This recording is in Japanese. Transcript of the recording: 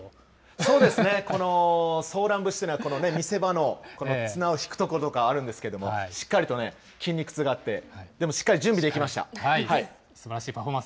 そうですね、このソーラン節というのは見せ場の、この綱を引くところとかあるんですけれども、しっかりと筋肉痛があって、でもすばらしいパフォーマンス、